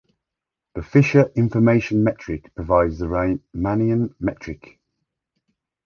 The Fisher information metric provides the Riemannian metric.